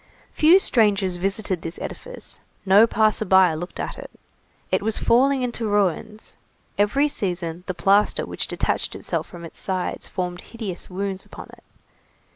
Few strangers visited this edifice, no passer by looked at it. It was falling into ruins; every season the plaster which detached itself from its sides formed hideous wounds upon it.